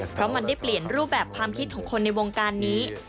เพราะมันได้เปลี่ยนรูปแบบความคิดของคนในวงการนี้